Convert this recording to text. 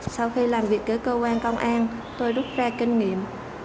sau khi làm việc với cơ quan công an tôi rút ra kinh nghiệm